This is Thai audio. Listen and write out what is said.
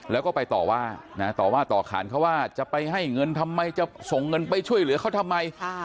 แล้วก็ไปต่อว่าต่อว่าต่อขานเขาว่าจะไปให้เงินทำไมจะส่งเงินไปช่วยเหลือเขาทำไม